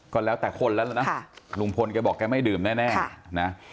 ก็แล้วแต่คนแล้วนะลุงพลแกบอกแกไม่ดื่มแน่นะ